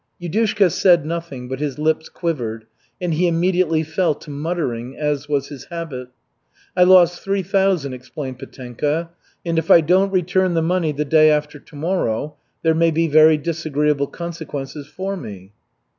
Yudushka said nothing, but his lips quivered, and he immediately fell to muttering, as was his habit. "I lost three thousand," explained Petenka, "and if I don't return the money the day after tomorrow, there may be very disagreeable consequences for me."